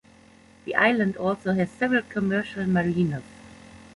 The island also has several commercial marinas.